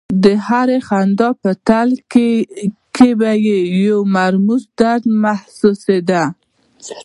د هرې خندا په تل کې به یې یو مرموز درد محسوسېده